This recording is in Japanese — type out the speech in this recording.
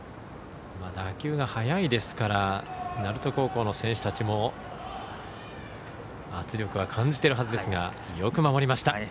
打球が速いですから鳴門高校の選手たちも圧力は感じているはずですがよく守りました。